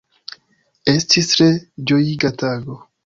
Estis tre ĝojiga tago.